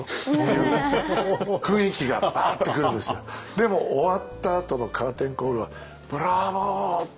でも終わったあとのカーテンコールは「ブラボー！」って